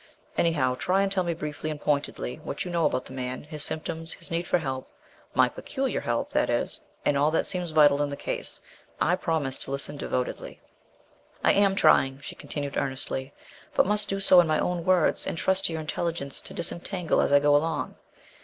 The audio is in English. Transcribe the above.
Anyhow, try and tell me briefly and pointedly what you know about the man, his symptoms, his need for help, my peculiar help, that is, and all that seems vital in the case. I promise to listen devotedly." "I am trying," she continued earnestly, "but must do so in my own words and trust to your intelligence to disentangle as I go along.